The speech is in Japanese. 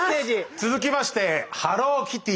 続きましてハローキティ。